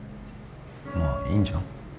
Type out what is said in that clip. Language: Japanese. まあいいんじゃん？